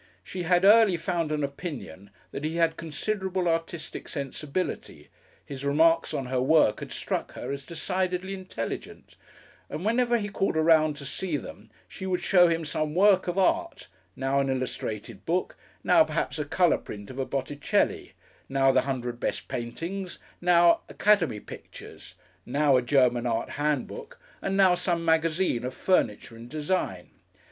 She had early found an opinion that he had considerable artistic sensibility, his remarks on her work had struck her as decidedly intelligent, and whenever he called around to see them she would show him some work of art, now an illustrated book, now perhaps a colour print of a Botticelli, now the Hundred Best Paintings, now "Academy Pictures," now a German art handbook and now some magazine of furniture and design.